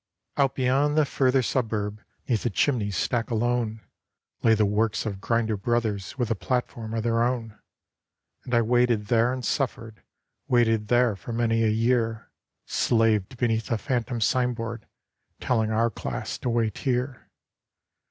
Out beyond the further suburb, 'neath a chimney stack alone, Lay the works of Grinder Brothers, with a platform of their own; And I waited there and suffered, waited there for many a year, Slaved beneath a phantom signboard, telling our class to wait here.